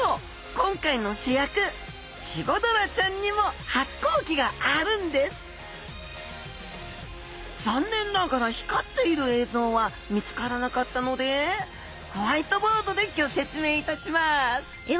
今回の主役チゴダラちゃんにも発光器があるんです残念ながら光っている映像は見つからなかったのでホワイトボードでギョ説明いたします！